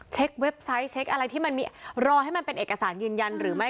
เว็บไซต์เช็คอะไรที่มันมีรอให้มันเป็นเอกสารยืนยันหรือไม่